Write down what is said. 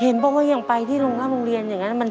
เห็นบอกว่ายังไปที่โรงข้ามโรงเรียนอย่างนั้น